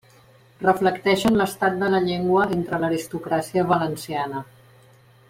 Reflecteixen l'estat de la llengua entre l'aristocràcia valenciana.